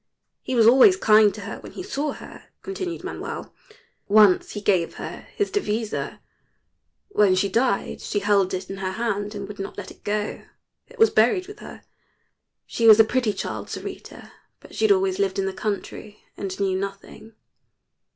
"He was always kind to her when he saw her," continued Manuel. "Once he gave her his devisa. When she died she held it in her hand and would not let it go. It was buried with her. She was a pretty child Sarita but she had always lived in the country and knew nothing."